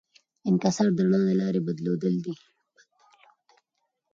انکسار د رڼا د لارې بدلول دي.